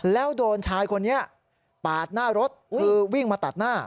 แล้วโดนชายคนนี้ปาดหน้ารถคือวิ่งมาตัดหน้า